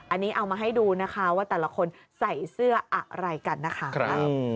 อันนี้เอามาให้ดูนะคะว่าแต่ละคนใส่เสื้ออะไรกันนะคะ